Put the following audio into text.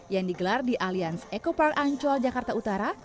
yang digelar di alliance echo park ancol jakarta utara